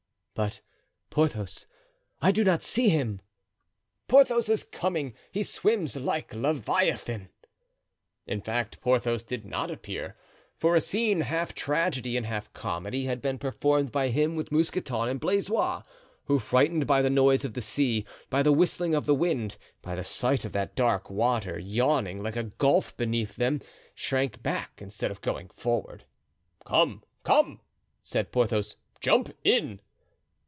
"But Porthos, I do not see him." "Porthos is coming—he swims like Leviathan." In fact, Porthos did not appear; for a scene, half tragedy and half comedy, had been performed by him with Mousqueton and Blaisois, who, frightened by the noise of the sea, by the whistling of the wind, by the sight of that dark water yawning like a gulf beneath them, shrank back instead of going forward. "Come, come!" said Porthos; "jump in."